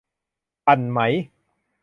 ปั่นไหม ?